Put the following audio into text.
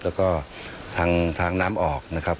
แล้วก็ทางน้ำออกนะครับ